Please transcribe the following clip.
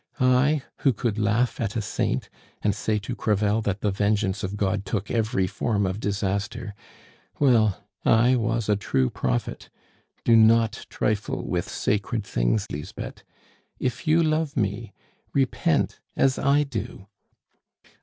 I, who could laugh at a saint, and say to Crevel that the vengeance of God took every form of disaster. Well, I was a true prophet. Do not trifle with sacred things, Lisbeth; if you love me, repent as I do." "I!"